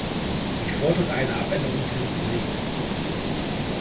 Ich fordere eine Abänderung dieses Berichts.